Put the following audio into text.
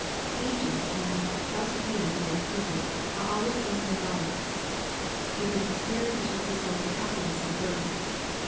Angels and "just men made perfect" are always blessing God. — ^It is the spirit which is the source of happiness on earth.